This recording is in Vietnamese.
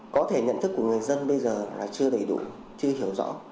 có thể nhận thức của người dân bây giờ là chưa đầy đủ chưa hiểu rõ